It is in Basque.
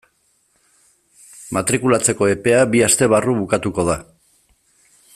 Matrikulatzeko epea bi aste barru bukatuko da.